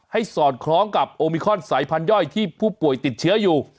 สอดคล้องกับโอมิคอนสายพันธย่อยที่ผู้ป่วยติดเชื้ออยู่